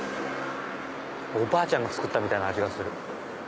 おばあちゃんが作ったみたいな味がする。